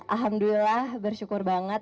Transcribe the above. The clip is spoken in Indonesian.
alhamdulillah bersyukur banget